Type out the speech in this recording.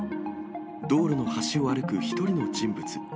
道路の端を歩く１人の人物。